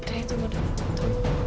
re itu mudah